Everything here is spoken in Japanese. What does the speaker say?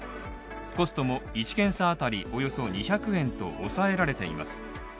コストも１検査当たりおよそ２００円と抑えられています。